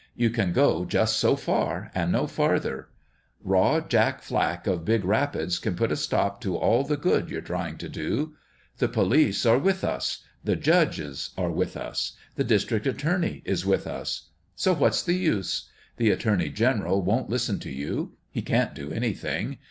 You "can^go just so far and no farther. Raw Jack Flack of Big Rapids can put a stop to all the good you're trying to do. The police are with us ; the judges are with us ; the district attorney is with us : so what's the use ? The attorney general won't listen to you. You can't do any thing.